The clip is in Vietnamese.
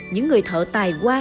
những người thợ tài qua